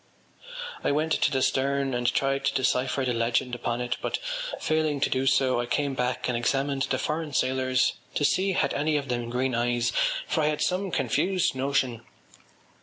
I went to the stern and tried to decipher the legend upon it but, failing to do so, I came back and examined the foreign sailors to see had any of them green eyes for I had some confused notion....